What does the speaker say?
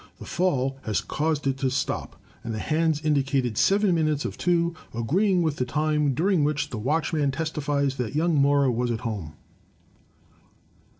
The fall had caused it to stop, and the hands indicated seven minutes of two, agreeing with the time during which the watchman testifies that young Mora was at home."